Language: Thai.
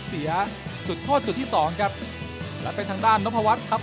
เสียจุดโทษจุดที่สองครับและเป็นทางด้านนพวัฒน์ครับ